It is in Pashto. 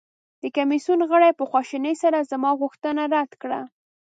د کمیسیون غړي په خواشینۍ سره زما غوښتنه رد کړه.